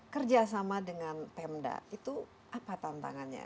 kerjasama dengan pemda itu apa tantangannya